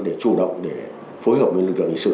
để chủ động để phối hợp với lực lượng hình sự